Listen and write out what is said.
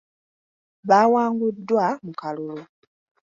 Baawanguddwa mu kalulu.